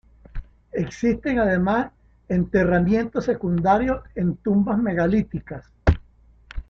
Existen además enterramientos secundarios en tumbas megalíticas.